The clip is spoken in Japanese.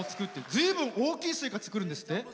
ずいぶん大きいスイカを作ってるんですって？